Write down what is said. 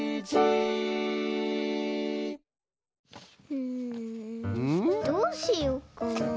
うんどうしよっかな。